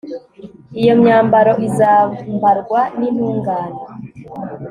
iyo myambaro izambarwa n'intungane